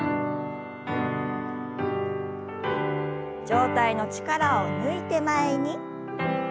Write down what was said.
上体の力を抜いて前に。